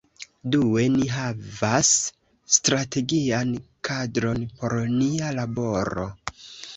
Due, ni havas strategian kadron por nia laboro.